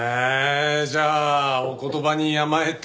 じゃあお言葉に甘えて。